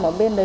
ở bên đó